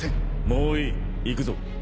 もういい行くぞ。